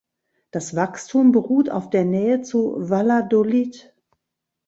Das Wachstum beruht auf der Nähe zu Valladolid.